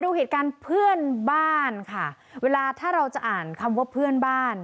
ดูเหตุการณ์เพื่อนบ้านค่ะเวลาถ้าเราจะอ่านคำว่าเพื่อนบ้าน